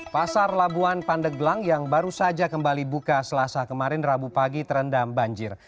pasar labuan pandeglang yang baru saja kembali buka selasa kemarin rabu pagi terendam banjir